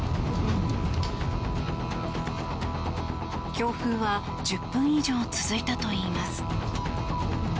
強風は１０分以上続いたといいます。